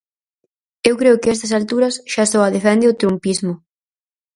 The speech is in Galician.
Eu creo que a estas alturas xa só a defende o trumpismo.